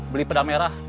beli pedang merah